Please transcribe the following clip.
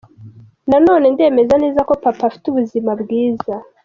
Nanone ndemeza neza ko Papa afite ubuzima bwiza.